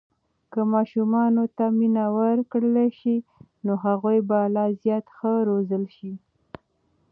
که ماشومانو ته مینه ورکړل سي، نو هغوی به لا زیات ښه روزل سي.